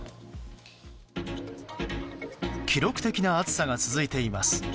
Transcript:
記録的な暑さが続いています。